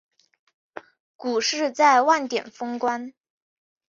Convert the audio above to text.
股市在万点封关